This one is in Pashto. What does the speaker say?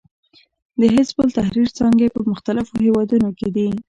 د حزب التحریر څانګې په مختلفو هېوادونو کې دي.